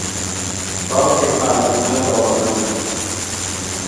باوکی فاتیمە دەوڵەمەندە.